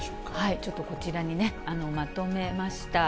ちょっとこちらにね、まとめました。